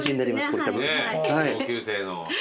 同級生の。